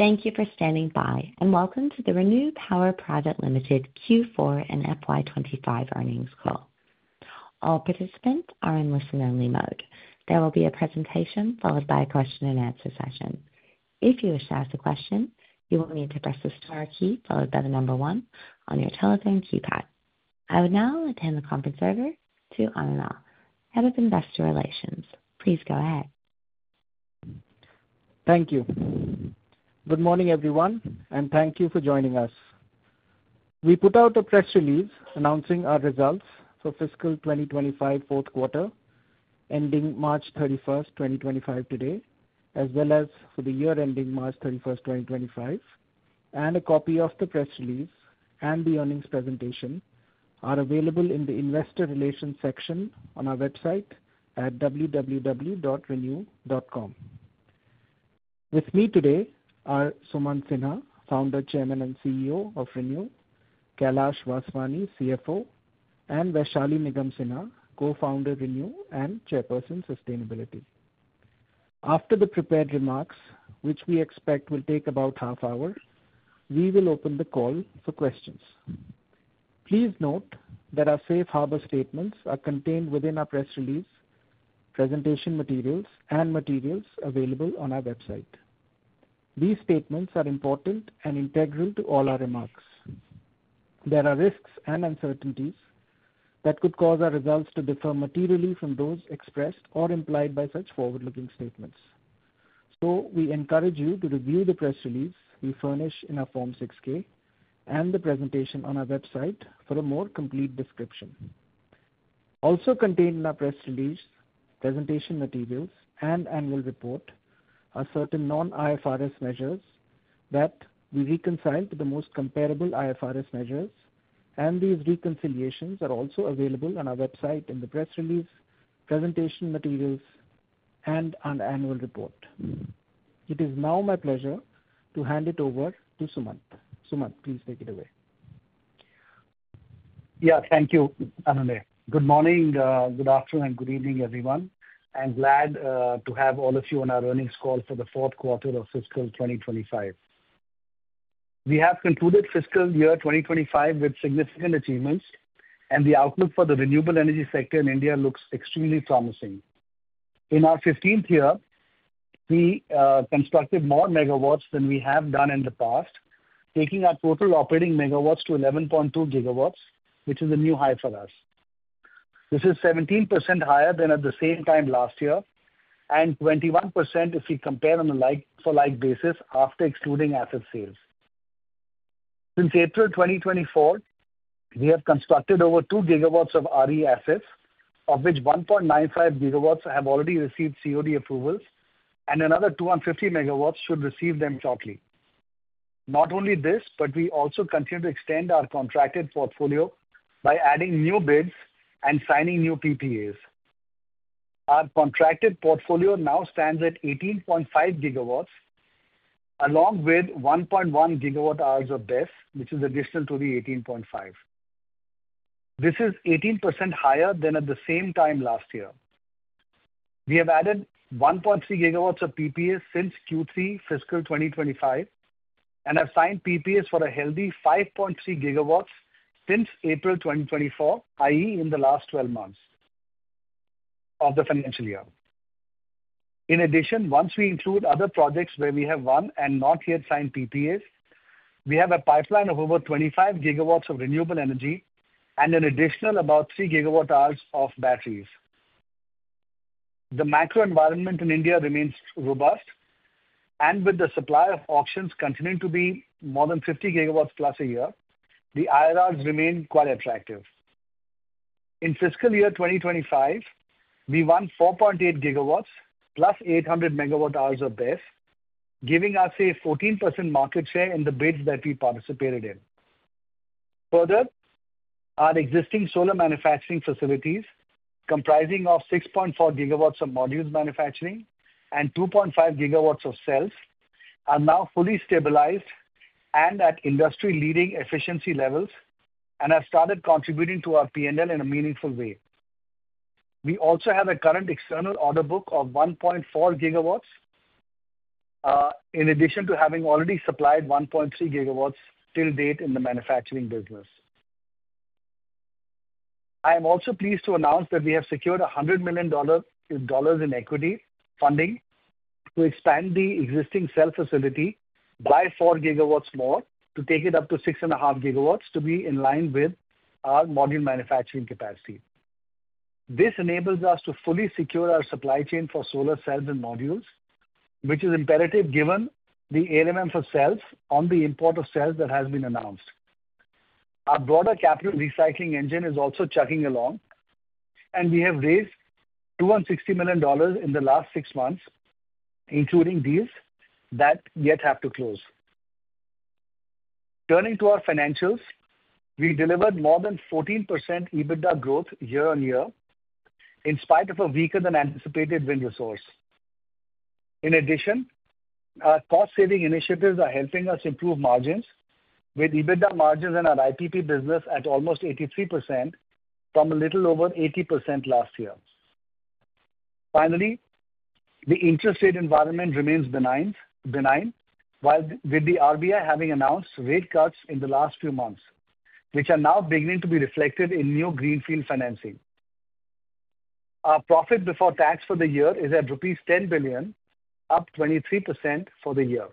Thank you for standing by, and welcome to the ReNew Power Project Limited Q4 and FY25 Earnings Call. All participants are in listen-only mode. There will be a presentation followed by a question-and-answer session. If you wish to ask a question, you will need to press the star key followed by the number one on your telephone keypad. I will now hand the conference over to Anunay, Head of Investor Relations. Please go ahead. Thank you. Good morning, everyone, and thank you for joining us. We put out a press release announcing our results for fiscal 2025 fourth quarter, ending March 31st, 2025, today, as well as for the year ending March 31st, 2025. A copy of the press release and the earnings presentation are available in the Investor Relations section on our website at www.renew.com. With me today are Sumant Sinha, Founder, Chairman, and CEO of ReNew; Kailash Vaswani, CFO; and Vaishali Nigam Sinha, Co-founder, ReNew, and Chairperson, Sustainability. After the prepared remarks, which we expect will take about half an hour, we will open the call for questions. Please note that our safe harbor statements are contained within our press release, presentation materials, and materials available on our website. These statements are important and integral to all our remarks. There are risks and uncertainties that could cause our results to differ materially from those expressed or implied by such forward-looking statements. We encourage you to review the press release we furnish in our Form 6-K and the presentation on our website for a more complete description. Also contained in our press release, presentation materials, and annual report are certain non-IFRS measures that we reconcile to the most comparable IFRS measures, and these reconciliations are also available on our website in the press release, presentation materials, and annual report. It is now my pleasure to hand it over to Sumant. Sumant, please take it away. Yeah, thank you, Anunay. Good morning, good afternoon, and good evening, everyone. I'm glad to have all of you on our earnings call for the fourth quarter of fiscal 2025. We have concluded fiscal year 2025 with significant achievements, and the outlook for the renewable energy sector in India looks extremely promising. In our 15th year, we constructed more megawatts than we have done in the past, taking our total operating megawatts to 11.2 GW, which is a new high for us. This is 17% higher than at the same time last year and 21% if we compare on a like-for-like basis after excluding asset sales. Since April 2024, we have constructed over 2 GW of RE assets, of which 1.95 GW have already received COD approvals, and another 250 MW should receive them shortly. Not only this, but we also continue to extend our contracted portfolio by adding new bids and signing new PPAs. Our contracted portfolio now stands at 18.5 GW, along with 1.1 GWh of BESS, which is additional to the 18.5 GW. This is 18% higher than at the same time last year. We have added 1.3 GW of PPAs since Q3 fiscal 2025, and have signed PPAs for a healthy 5.3 GW since April 2024, i.e., in the last 12 months of the financial year. In addition, once we include other projects where we have won and not yet signed PPAs, we have a pipeline of over 25 GW of renewable energy and an additional about 3 GWh of batteries. The macro environment in India remains robust, and with the supply of auctions continuing to be more than 50 GW+ a year, the IRRs remain quite attractive. In fiscal year 2025, we won 4.8 GW plus 800 MWh of BESS, giving us a 14% market share in the bids that we participated in. Further, our existing solar manufacturing facilities, comprising of 6.4 GW of modules manufacturing and 2.5 GW of cells, are now fully stabilized and at industry-leading efficiency levels and have started contributing to our P&L in a meaningful way. We also have a current external order book of 1.4 GW, in addition to having already supplied 1.3 GW till date in the manufacturing business. I am also pleased to announce that we have secured $100 million in equity funding to expand the existing cell facility by 4 GW more to take it up to 6.5 GW to be in line with our module manufacturing capacity. This enables us to fully secure our supply chain for solar cells and modules, which is imperative given the ALMM for cells on the import of cells that has been announced. Our broader capital recycling engine is also chugging along, and we have raised $260 million in the last six months, including deals that yet have to close. Turning to our financials, we delivered more than 14% EBITDA growth year-on-year, in spite of a weaker-than-anticipated wind resource. In addition, our cost-saving initiatives are helping us improve margins, with EBITDA margins in our IPP business at almost 83% from a little over 80% last year. Finally, the interest rate environment remains benign, with the RBI having announced rate cuts in the last few months, which are now beginning to be reflected in new greenfield financing. Our profit before tax for the year is at rupees 10 billion, up 23% for the year.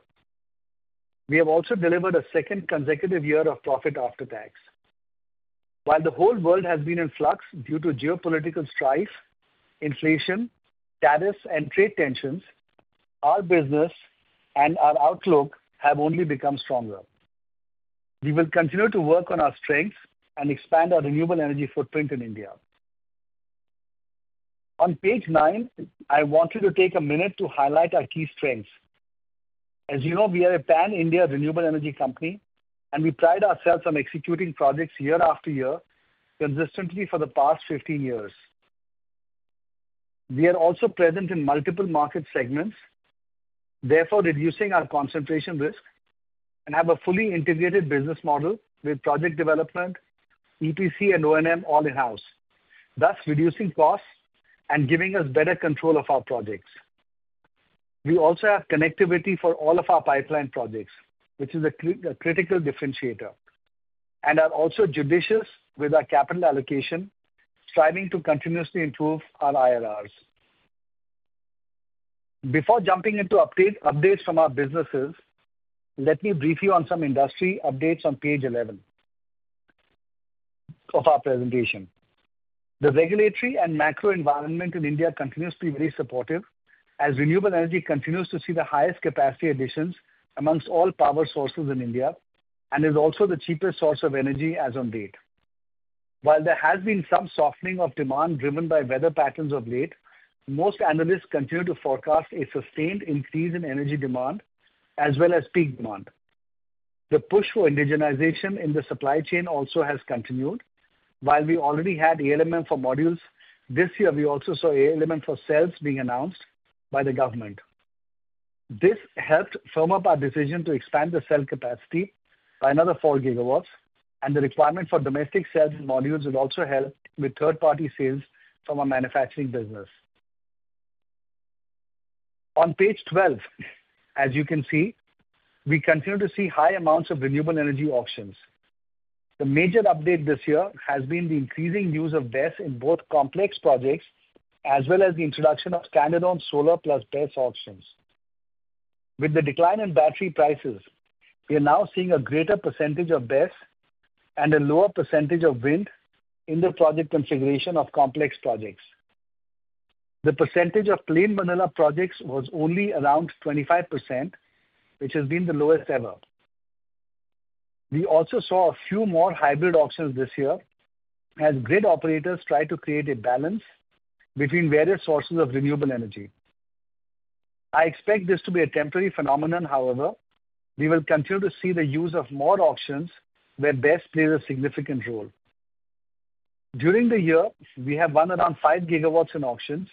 We have also delivered a second consecutive year of profit after tax. While the whole world has been in flux due to geopolitical strife, inflation, tariffs, and trade tensions, our business and our outlook have only become stronger. We will continue to work on our strengths and expand our renewable energy footprint in India. On page nine, I wanted to take a minute to highlight our key strengths. As you know, we are a pan-India renewable energy company, and we pride ourselves on executing projects year after year consistently for the past 15 years. We are also present in multiple market segments, therefore reducing our concentration risk, and have a fully integrated business model with project development, EPC, and O&M all in-house, thus reducing costs and giving us better control of our projects. We also have connectivity for all of our pipeline projects, which is a critical differentiator, and are also judicious with our capital allocation, striving to continuously improve our IRRs. Before jumping into updates from our businesses, let me brief you on some industry updates on page 11 of our presentation. The regulatory and macro environment in India continues to be very supportive as renewable energy continues to see the highest capacity additions amongst all power sources in India and is also the cheapest source of energy as of date. While there has been some softening of demand driven by weather patterns of late, most analysts continue to forecast a sustained increase in energy demand as well as peak demand. The push for indigenization in the supply chain also has continued. While we already had ALMM for modules, this year we also saw ALMM for cells being announced by the government. This helped firm up our decision to expand the cell capacity by another 4 GW, and the requirement for domestic cells and modules would also help with third-party sales from our manufacturing business. On page 12, as you can see, we continue to see high amounts of renewable energy auctions. The major update this year has been the increasing use of BESS in both complex projects as well as the introduction of standalone Solar+ BESS auctions. With the decline in battery prices, we are now seeing a greater percentage of BESS and a lower percentage of wind in the project configuration of complex projects. The percentage of clean vanilla projects was only around 25%, which has been the lowest ever. We also saw a few more hybrid auctions this year as grid operators try to create a balance between various sources of renewable energy. I expect this to be a temporary phenomenon. However, we will continue to see the use of more auctions where BESS plays a significant role. During the year, we have won around 5 GW in auctions,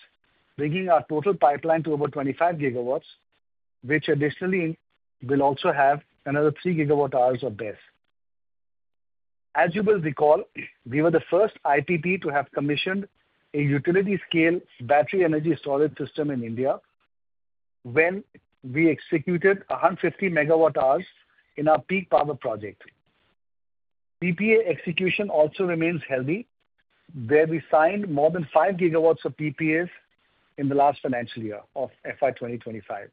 bringing our total pipeline to over 25 GW, which additionally will also have another 3 GWh of BESS. As you will recall, we were the first IPP to have commissioned a utility-scale battery energy storage system in India when we executed 150 MWh in our peak power project. PPA execution also remains healthy, where we signed more than 5 GW of PPAs in the last financial year of 2025.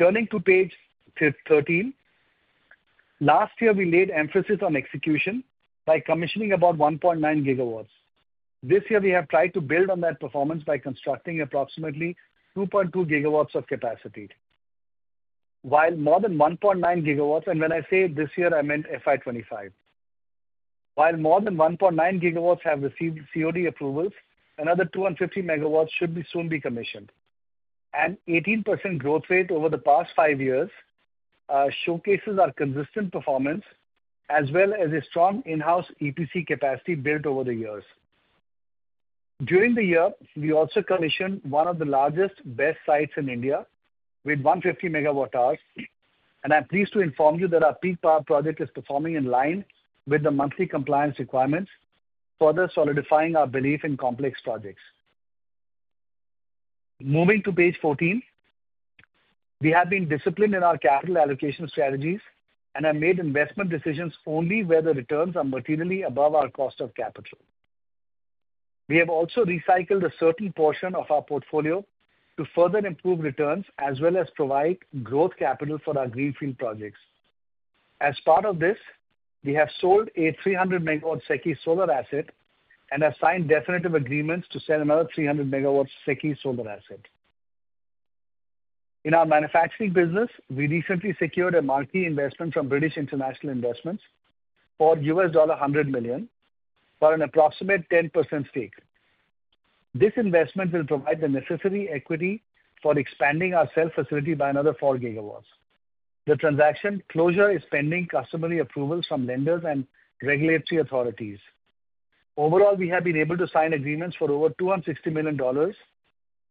Turning to page 13, last year we laid emphasis on execution by commissioning about 1.9 GW. This year we have tried to build on that performance by constructing approximately 2.2 GW of capacity. While more than 1.9 GW, and when I say this year, I meant FY 2025, while more than 1.9 GW have received COD approvals, another 250 MW should soon be commissioned. An 18% growth rate over the past five years showcases our consistent performance as well as a strong in-house EPC capacity built over the years. During the year, we also commissioned one of the largest BESS sites in India with 150 MWh, and I'm pleased to inform you that our peak power project is performing in line with the monthly compliance requirements, further solidifying our belief in complex projects. Moving to page 14, we have been disciplined in our capital allocation strategies and have made investment decisions only where the returns are materially above our cost of capital. We have also recycled a certain portion of our portfolio to further improve returns as well as provide growth capital for our greenfield projects. As part of this, we have sold a 300 MW SECI solar asset and have signed definitive agreements to sell another 300 MW SECI solar asset. In our manufacturing business, we recently secured a marquee investment from British International Investment for $100 million for an approximate 10% stake. This investment will provide the necessary equity for expanding our cell facility by another 4 GW. The transaction closure is pending customary approvals from lenders and regulatory authorities. Overall, we have been able to sign agreements for over $260 million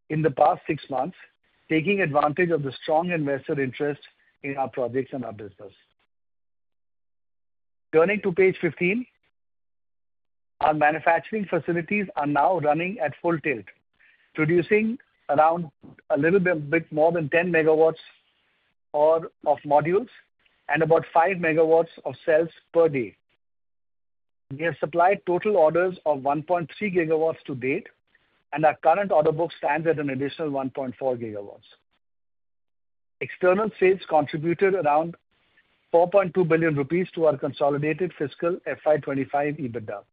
in the past six months, taking advantage of the strong investor interest in our projects and our business. Turning to page 15, our manufacturing facilities are now running at full tilt, producing around a little bit more than 10 MW of modules and about 5 MW of cells per day. We have supplied total orders of 1.3 GW to date, and our current order book stands at an additional 1.4 GW. External sales contributed around 4.2 billion rupees to our consolidated fiscal FY 2025 EBITDA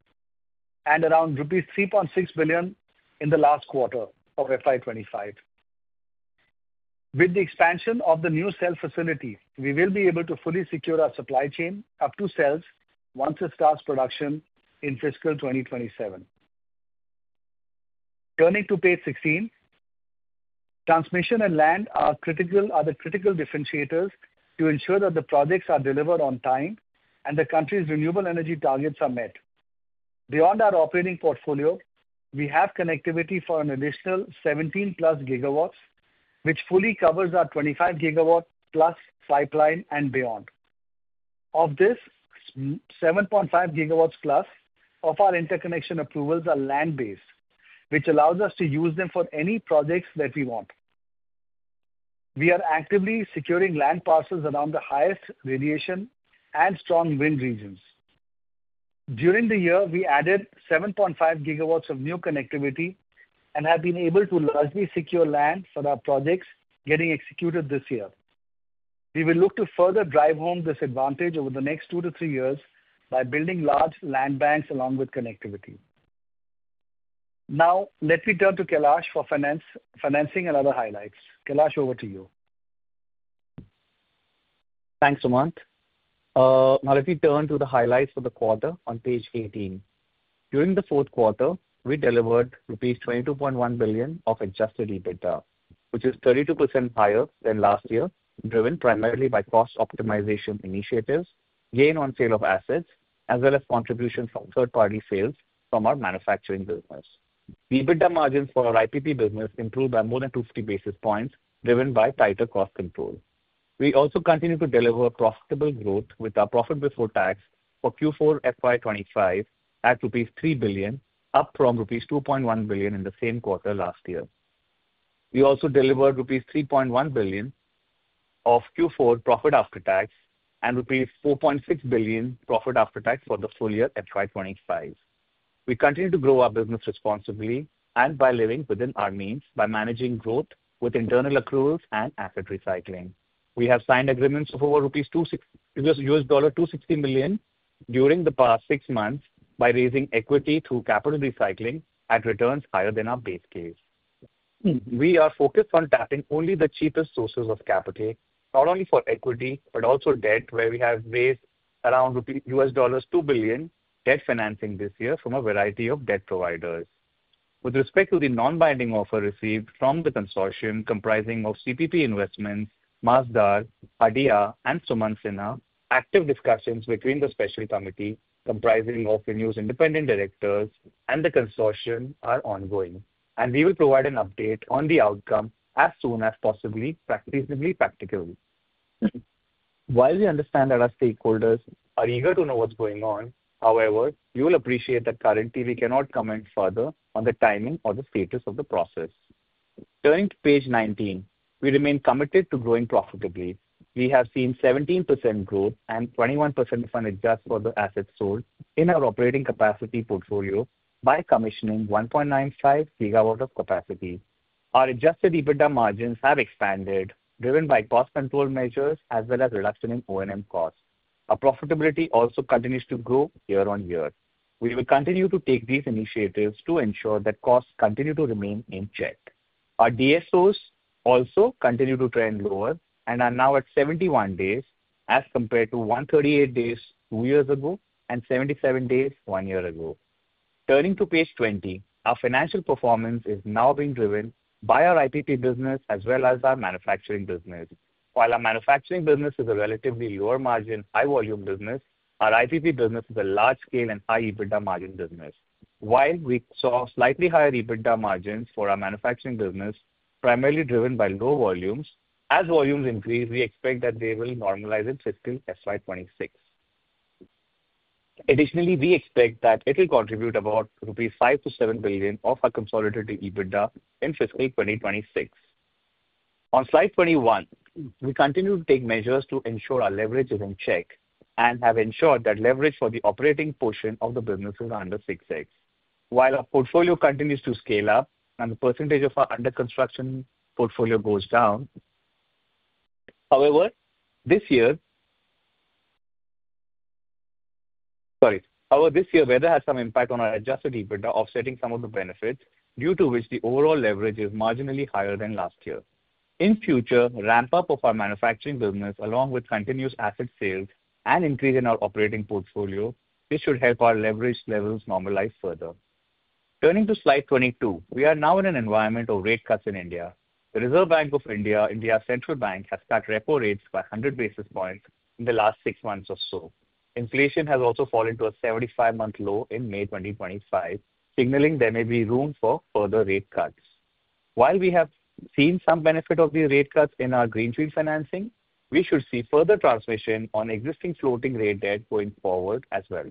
and around rupees 3.6 billion in the last quarter of FY 2025. With the expansion of the new cell facility, we will be able to fully secure our supply chain up to cells once it starts production in fiscal 2027. Turning to page 16, transmission and land are the critical differentiators to ensure that the projects are delivered on time and the country's renewable energy targets are met. Beyond our operating portfolio, we have connectivity for an additional 17+ GW, which fully covers our 25 GW+ pipeline and beyond. Of this, 7.5 GW+ of our interconnection approvals are land-based, which allows us to use them for any projects that we want. We are actively securing land parcels around the highest radiation and strong wind regions. During the year, we added 7.5 GW of new connectivity and have been able to largely secure land for our projects getting executed this year. We will look to further drive home this advantage over the next 2-3 years by building large land banks along with connectivity. Now, let me turn to Kailash for financing and other highlights. Kailash, over to you. Thanks, Sumant. Now, let me turn to the highlights for the quarter on page 18. During the fourth quarter, we delivered rupees 22.1 billion of adjusted EBITDA, which is 32% higher than last year, driven primarily by cost optimization initiatives, gain on sale of assets, as well as contributions from third-party sales from our manufacturing business. EBITDA margins for our IPP business improved by more than 250 basis points, driven by tighter cost control. We also continue to deliver profitable growth with our profit before tax for Q4 FY 2025 at rupees 3 billion, up from rupees 2.1 billion in the same quarter last year. We also delivered rupees 3.1 billion of Q4 profit after tax and rupees 4.6 billion profit after tax for the full year FY 2025. We continue to grow our business responsibly and by living within our means by managing growth with internal accruals and asset recycling. We have signed agreements of over $260 million during the past six months by raising equity through capital recycling at returns higher than our base case. We are focused on tapping only the cheapest sources of capital, not only for equity but also debt, where we have raised around $2 billion debt financing this year from a variety of debt providers. With respect to the non-binding offer received from the consortium comprising of CPP Investments, Masdar, ADIA, and Sumant Sinha, active discussions between the special committee comprising of the new independent directors and the consortium are ongoing, and we will provide an update on the outcome as soon as possibly, reasonably practically. While we understand that our stakeholders are eager to know what's going on, however, you will appreciate that currently we cannot comment further on the timing or the status of the process. Turning to page 19, we remain committed to growing profitably. We have seen 17% growth and 21% if unadjusted for the assets sold in our operating capacity portfolio by commissioning 1.95 GW of capacity. Our adjusted EBITDA margins have expanded, driven by cost control measures as well as reduction in O&M costs. Our profitability also continues to grow year-on-year. We will continue to take these initiatives to ensure that costs continue to remain in check. Our DSOs also continue to trend lower and are now at 71 days as compared to 138 days two years ago and 77 days one year ago. Turning to page 20, our financial performance is now being driven by our IPP business as well as our manufacturing business. While our manufacturing business is a relatively lower margin, high volume business, our IPP business is a large scale and high EBITDA margin business. While we saw slightly higher EBITDA margins for our manufacturing business, primarily driven by low volumes, as volumes increase, we expect that they will normalize in fiscal FY 2026. Additionally, we expect that it will contribute about 5 billion-7 billion rupees of our consolidated EBITDA in fiscal 2026. On slide 21, we continue to take measures to ensure our leverage is in check and have ensured that leverage for the operating portion of the business is under 6 X. While our portfolio continues to scale up and the percentage of our under construction portfolio goes down, however, this year, sorry, our this year weather has some impact on our adjusted EBITDA, offsetting some of the benefits due to which the overall leverage is marginally higher than last year. In future, ramp up of our manufacturing business along with continuous asset sales and increase in our operating portfolio, this should help our leverage levels normalize further. Turning to slide 22, we are now in an environment of rate cuts in India. The Reserve Bank of India, India Central Bank, has cut repo rates by 100 basis points in the last six months or so. Inflation has also fallen to a 75-month low in May 2025, signaling there may be room for further rate cuts. While we have seen some benefit of the rate cuts in our greenfield financing, we should see further transmission on existing floating rate debt going forward as well.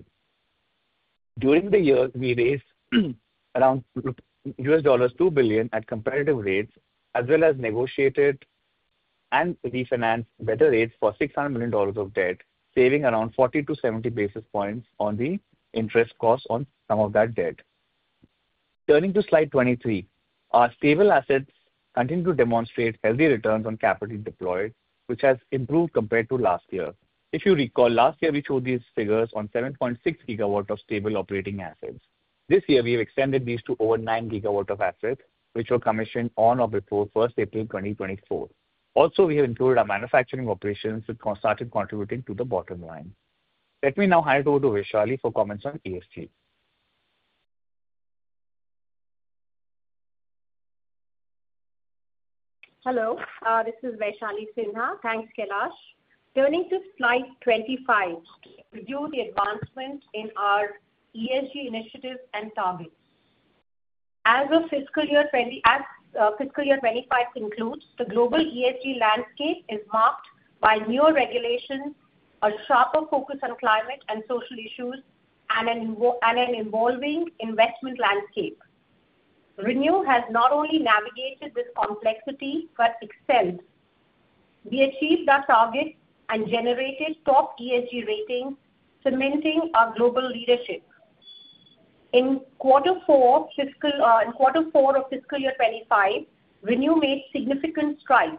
During the year, we raised around $2 billion at competitive rates as well as negotiated and refinanced better rates for $600 million of debt, saving around 40-70 basis points on the interest cost on some of that debt. Turning to slide 23, our stable assets continue to demonstrate healthy returns on capital deployed, which has improved compared to last year. If you recall, last year we showed these figures on 7.6 GW of stable operating assets. This year, we have extended these to over 9 GW of assets, which were commissioned on or before 1st April 2024. Also, we have included our manufacturing operations which started contributing to the bottom line. Let me now hand it over to Vaishali for comments on ESG. Hello, this is Vaishali Sinha. Thanks, Kailash. Turning to slide 25, we do the advancement in our ESG initiatives and targets. As fiscal year 2025 concludes, the global ESG landscape is marked by newer regulations, a sharper focus on climate and social issues, and an evolving investment landscape. ReNew has not only navigated this complexity but excelled. We achieved our target and generated top ESG ratings, cementing our global leadership. In quarter four of fiscal year 2025, ReNew made significant strides.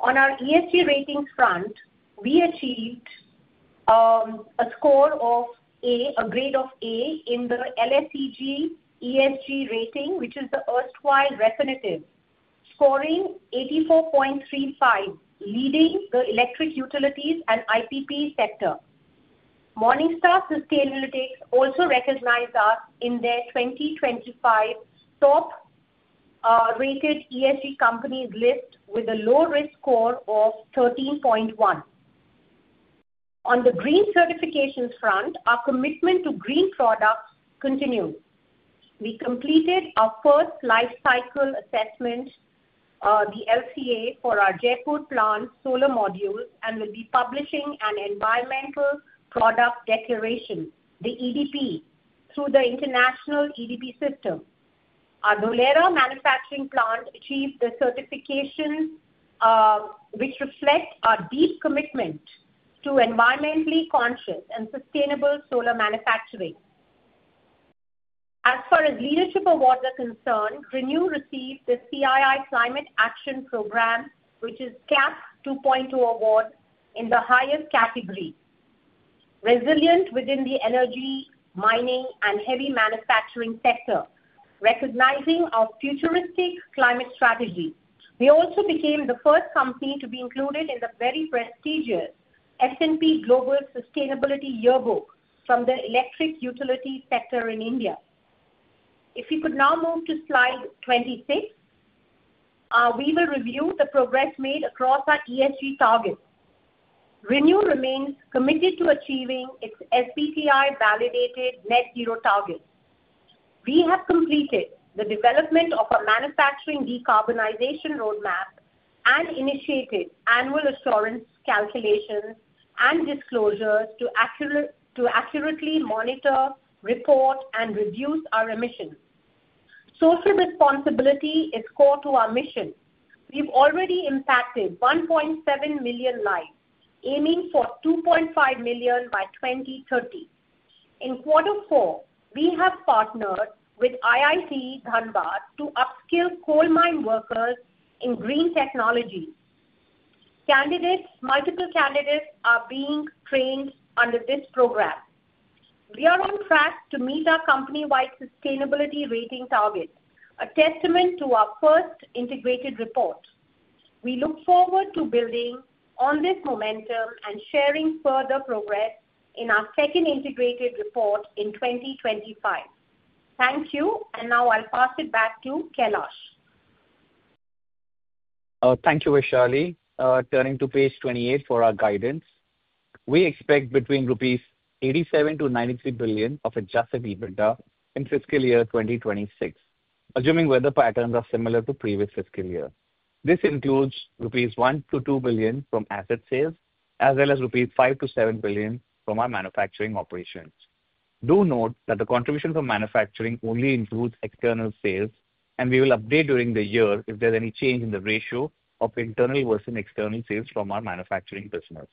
On our ESG ratings front, we achieved a score of A, a grade of A in the LSEG ESG rating, which is the erstwhile definitive, scoring 84.35, leading the electric utilities and IPP sector. Morningstar Sustainability also recognized us in their 2025 top rated ESG company list with a low risk score of 13.1. On the green certifications front, our commitment to green products continues. We completed our first life cycle assessment, the LCA, for our Jaipur plant solar modules and will be publishing an environmental product declaration, the EPD, through the international EPD system. Our Dholera manufacturing plant achieved the certification, which reflects our deep commitment to environmentally conscious and sustainable solar manufacturing. As far as leadership awards are concerned, ReNew received the CII Climate Action Program, which is CAP 2.0 award in the highest category. Resilient within the energy, mining, and heavy manufacturing sector, recognizing our futuristic climate strategy, we also became the first company to be included in the very prestigious S&P Global Sustainability Yearbook from the electric utility sector in India. If we could now move to slide 26, we will review the progress made across our ESG targets. ReNew remains committed to achieving its SBTi validated net zero target. We have completed the development of a manufacturing decarbonization roadmap and initiated annual assurance calculations and disclosures to accurately monitor, report, and reduce our emissions. Social responsibility is core to our mission. We've already impacted 1.7 million lives, aiming for 2.5 million by 2030. In quarter four, we have partnered with IIT Dhanbad to upskill coal mine workers in green technologies. Multiple candidates are being trained under this program. We are on track to meet our company-wide sustainability rating target, a testament to our first integrated report. We look forward to building on this momentum and sharing further progress in our second integrated report in 2025. Thank you, and now I'll pass it back to Kailash. Thank you, Vaishali. Turning to page 28 for our guidance, we expect between 87 billion-93 billion rupees of adjusted EBITDA in fiscal year 2026, assuming weather patterns are similar to previous fiscal year. This includes 1 billion-2 billion rupees from asset sales, as well as 5 billion-7 billion rupees from our manufacturing operations. Do note that the contribution from manufacturing only includes external sales, and we will update during the year if there's any change in the ratio of internal versus external sales from our manufacturing business.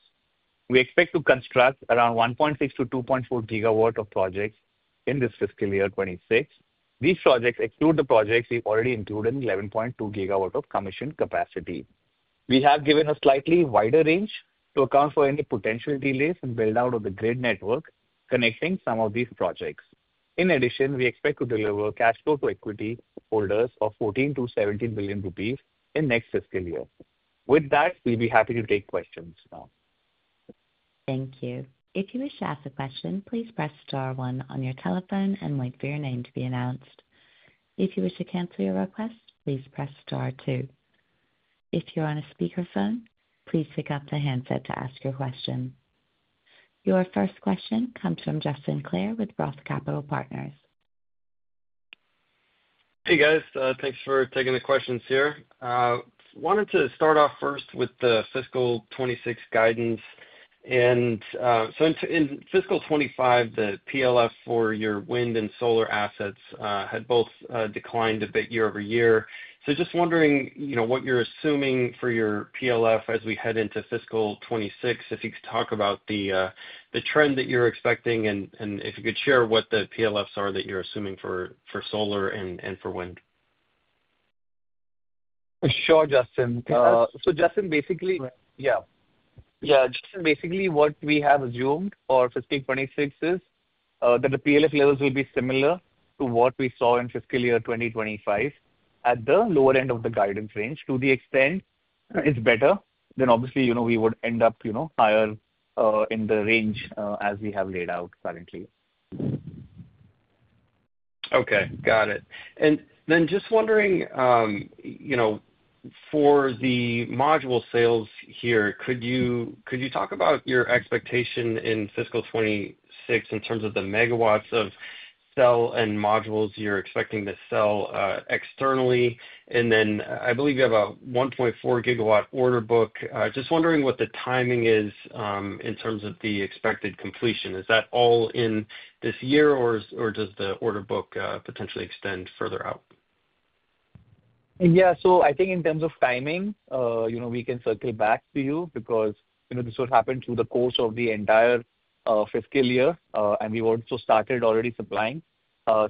We expect to construct around 1.6 GW-2.4 GW of projects in this fiscal year 2026. These projects exclude the projects we've already included in 11.2 GW of commissioned capacity. We have given a slightly wider range to account for any potential delays and build-out of the grid network connecting some of these projects. In addition, we expect to deliver cash flow to equity holders of 14 billion-17 billion rupees in next fiscal year. With that, we'll be happy to take questions now. Thank you. If you wish to ask a question, please press star one on your telephone and wait for your name to be announced. If you wish to cancel your request, please press star two. If you're on a speakerphone, please pick up the handset to ask your question. Your first question comes from Justin Clare with Roth Capital Partners. Hey, guys. Thanks for taking the questions here. I wanted to start off first with the fiscal 2026 guidance. And so in fiscal 2025, the PLF for your wind and solar assets had both declined a bit year over year. Just wondering what you're assuming for your PLF as we head into fiscal 2026, if you could talk about the trend that you're expecting and if you could share what the PLFs are that you're assuming for solar and for wind. Sure, Justin. Basically, what we have assumed for fiscal 2026 is that the PLF levels will be similar to what we saw in fiscal year 2025 at the lower end of the guidance range. To the extent it's better than that, obviously, we would end up higher in the range as we have laid out currently. Okay, got it. Just wondering, for the module sales here, could you talk about your expectation in fiscal 2026 in terms of the megawatts of cell and modules you're expecting to sell externally? I believe you have a 1.4 GW order book. Just wondering what the timing is in terms of the expected completion. Is that all in this year, or does the order book potentially extend further out? Yeah, so I think in terms of timing, we can circle back to you because this would happen through the course of the entire fiscal year, and we've also started already supplying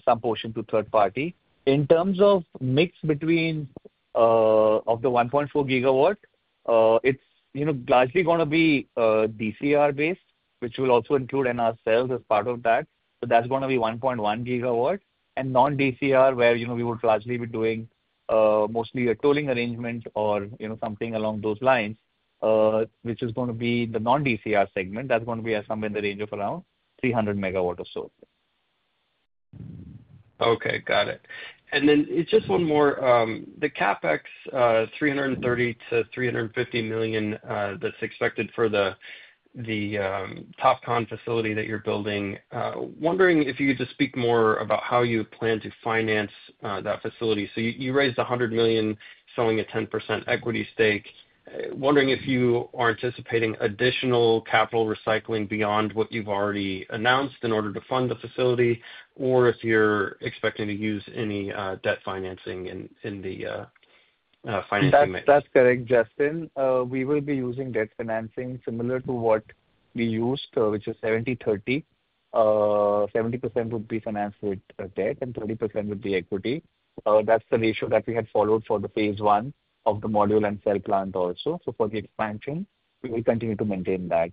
some portion to third party. In terms of mix between of the 1.4 GW, it's largely going to be DCR-based, which will also include NR cells as part of that. So that's going to be 1.1 GW. And non-DCR, where we would largely be doing mostly a tolling arrangement or something along those lines, which is going to be the non-DCR segment, that's going to be somewhere in the range of around 300 MW of solar. Okay, got it. Just one more, the CapEx $330 million-$350 million that's expected for the Topcon facility that you're building. Wondering if you could just speak more about how you plan to finance that facility. You raised $100 million selling a 10% equity stake. Wondering if you are anticipating additional capital recycling beyond what you've already announced in order to fund the facility, or if you're expecting to use any debt financing in the financing mix. That's correct, Justin. We will be using debt financing similar to what we used, which is 70/30. 70% would be financed with debt and 30% would be equity. That's the ratio that we had followed for the phase one of the module and cell plant also. For the expansion, we will continue to maintain that.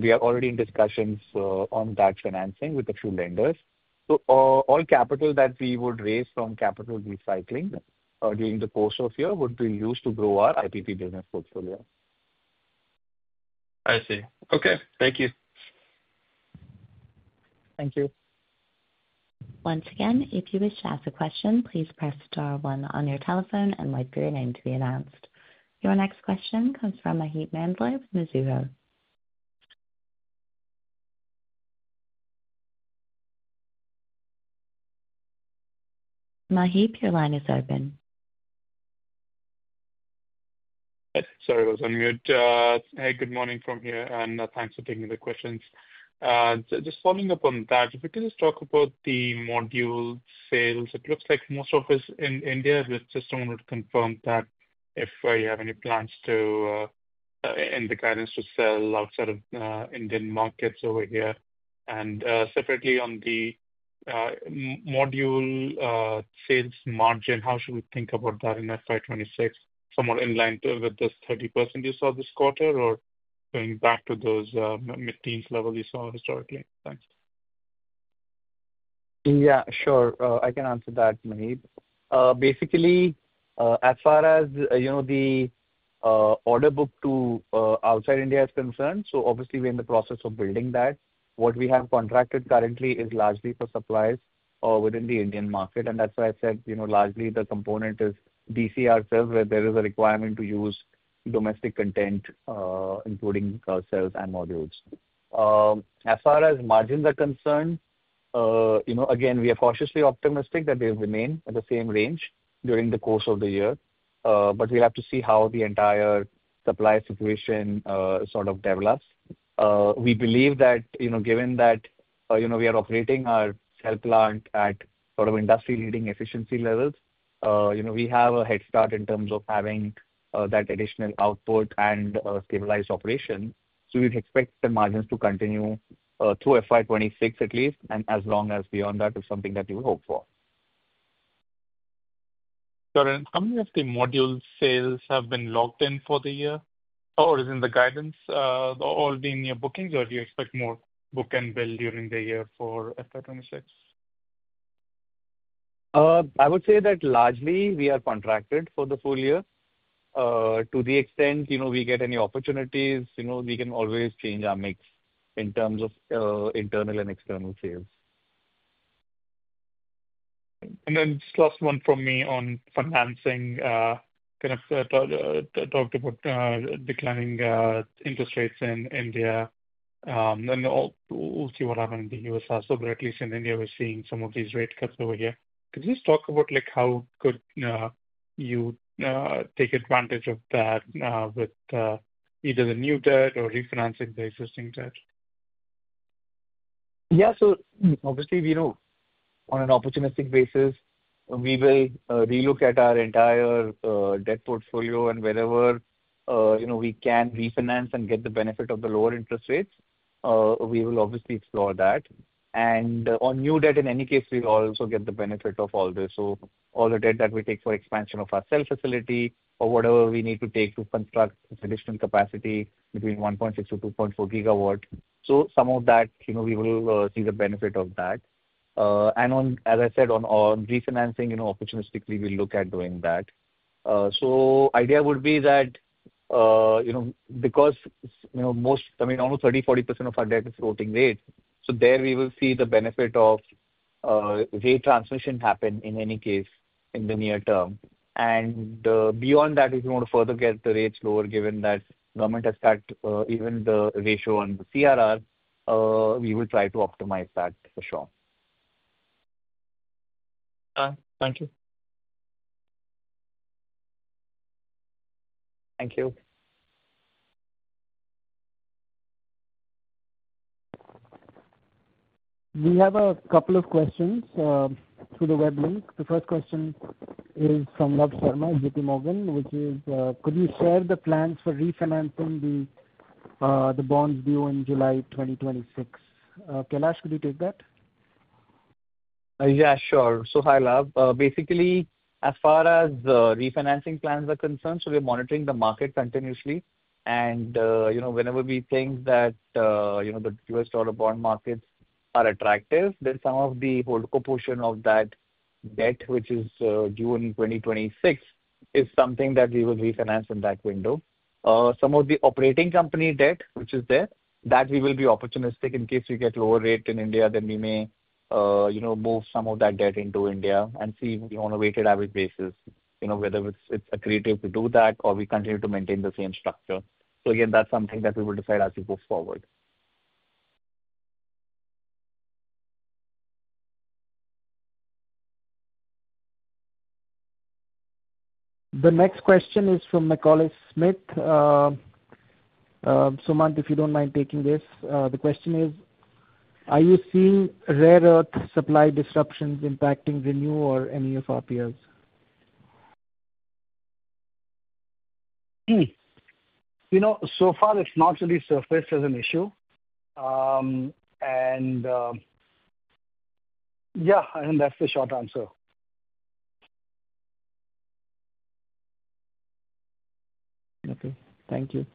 We are already in discussions on that financing with a few lenders. All capital that we would raise from capital recycling during the course of the year would be used to grow our IPP business portfolio. I see. Okay, thank you. Thank you. Once again, if you wish to ask a question, please press star one on your telephone and wait for your name to be announced. Your next question comes from Maheep Mandloi with Mizuho. Maheep, your line is open. Sorry, I was on mute. Hey, good morning from here, and thanks for taking the questions. Just following up on that, if we could just talk about the module sales. It looks like most of us in India have just wanted to confirm that if you have any plans to end the guidance to sell outside of Indian markets over here. And separately on the module sales margin, how should we think about that in FY 2026? Somewhat in line with this 30% you saw this quarter or going back to those mid-teens level you saw historically? Thanks. Yeah, sure. I can answer that, Maheep. Basically, as far as the order book to outside India is concerned, obviously we're in the process of building that. What we have contracted currently is largely for suppliers within the Indian market. That is why I said largely the component is DCR cells where there is a requirement to use domestic content, including cells and modules. As far as margins are concerned, again, we are cautiously optimistic that they remain at the same range during the course of the year. We will have to see how the entire supply situation sort of develops. We believe that given that we are operating our cell plant at sort of industry-leading efficiency levels, we have a head start in terms of having that additional output and stabilized operation. We would expect the margins to continue through FY 2026 at least, and as long as beyond that is something that we would hope for. Got it. How many of the module sales have been logged in for the year? Or is it in the guidance? Are all being in your bookings, or do you expect more book and bill during the year for FY 2026? I would say that largely we are contracted for the full year. To the extent we get any opportunities, we can always change our mix in terms of internal and external sales. Just last one from me on financing. Kind of talked about declining interest rates in India. We'll see what happens in the U.S. also, but at least in India, we're seeing some of these rate cuts over here. Could you just talk about how you could take advantage of that with either the new debt or refinancing the existing debt? Yeah, obviously, on an opportunistic basis, we will relook at our entire debt portfolio, and wherever we can refinance and get the benefit of the lower interest rates, we will obviously explore that. On new debt, in any case, we also get the benefit of all this. All the debt that we take for expansion of our cell facility or whatever we need to take to construct additional capacity between 1.6 GW-2.4 GW, some of that, we will see the benefit of that. As I said, on refinancing, opportunistically, we'll look at doing that. The idea would be that because almost 30%-40% of our debt is floating rate, there we will see the benefit of rate transmission happen in any case in the near term. Beyond that, if we want to further get the rates lower, given that government has cut even the ratio on the CRR, we will try to optimize that for sure. Thank you. Thank you. We have a couple of questions through the web link. The first question is from Love Sharma, JPMorgan, which is, "Could you share the plans for refinancing the bonds due in July 2026?" Kailash, could you take that? Yeah, sure. Hi, Love. Basically, as far as refinancing plans are concerned, we are monitoring the market continuously. Whenever we think that the U.S. dollar bond markets are attractive, then some of the hold-co-portion of that debt, which is due in 2026, is something that we will refinance in that window. Some of the operating company debt, which is there, we will be opportunistic in case we get a lower rate in India, then we may move some of that debt into India and see on a weighted average basis whether it is accretive to do that or we continue to maintain the same structure. That is something that we will decide as we move forward. The next question is from Macaulay Smith. Sumant, if you do not mind taking this, the question is, "Are you seeing rare earth supply disruptions impacting ReNew or any of our peers?" So far, it has not really surfaced as an issue. I think that is the short answer. Okay, thank you.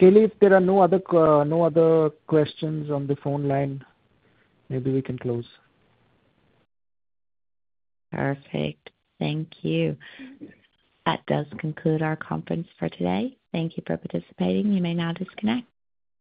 Kailey, if there are no other questions on the phone line, maybe we can close. Perfect. Thank you. That does conclude our conference for today. Thank you for participating. You may now disconnect.